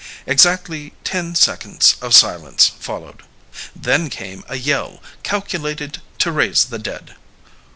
Exactly ten seconds of silence followed. Then came a yell calculated to raise the dead.